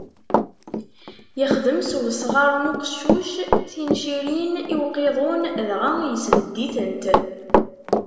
Ixdem s usɣar n uqeccuc tincirin i uqiḍun, dɣa yesbedded-itent.